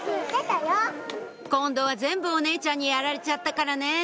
今度は全部お姉ちゃんにやられちゃったからね